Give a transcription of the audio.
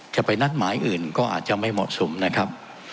จะไปนัดหมายอื่นก็อาจจะไม่เหมาะสมนะครับ